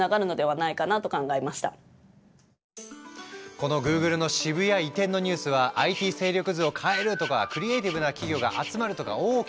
このグーグルの渋谷移転のニュースはＩＴ勢力図を変えるとかクリエイティブな企業が集まるとか大きな話題に。